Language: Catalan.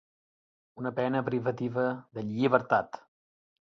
Una pena privativa de llibertat.